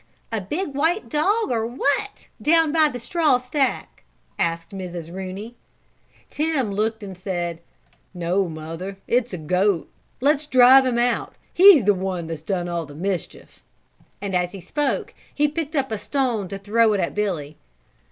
A big white dog or what, down by the straw stack?" asked Mrs. Rooney. Tim looked and said: "No, mother, it is a goat. Let's drive him out; he is the one that has done all the mischief," and as he spoke he picked up a stone to throw at Billy.